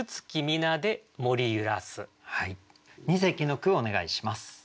二席の句をお願いします。